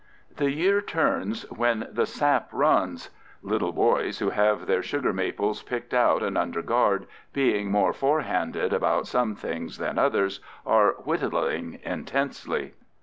The year turns when the sap runs. Little boys who have their sugar maples picked out and under guard, being more forehanded about some things than others, are whittling intensely.